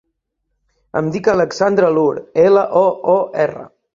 Em dic Alexandra Loor: ela, o, o, erra.